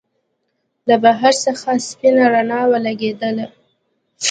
له بهر څخه سپينه رڼا ولګېدله.